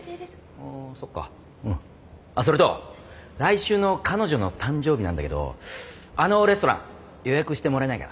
あっそれと来週の彼女の誕生日なんだけどあのレストラン予約してもらえないかな？